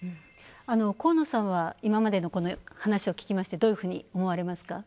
河野さんは今までの話を聞きましてどういうふうに思われますか？